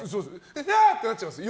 あ！ってなっちゃうんです